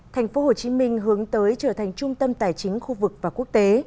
thành phố hồ chí minh hướng tới trở thành trung tâm tài chính khu vực và quốc tế